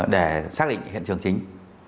để xác định hiện trường chính